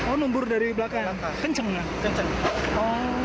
oh nombor dari belakang